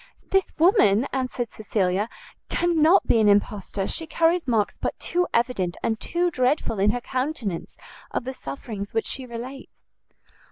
"This woman,"' answered Cecilia, "cannot be an impostor, she carries marks but too evident and too dreadful in her countenance of the sufferings which she relates."